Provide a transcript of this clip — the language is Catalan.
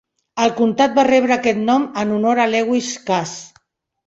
El comtat va rebre aquest nom en honor a Lewis Cass.